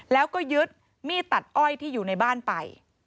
แล้วก็ยึดมีดตัดอ้อยที่อยู่ในบ้านไป